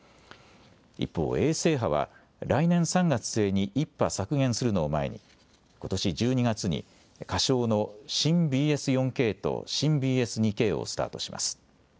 一方、衛星波は来年３月末に１波削減するのを前にことし１２月に仮称の新ＢＳ４Ｋと新ＢＳ２Ｋをスタートします。